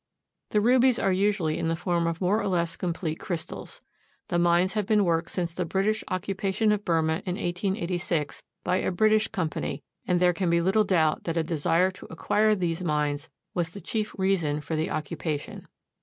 The rubies are usually in the form of more or less complete crystals. The mines have been worked since the British occupation of Burmah in 1886 by a British company, and there can be little doubt that a desire to acquire these mines was the chief reason for the occupation.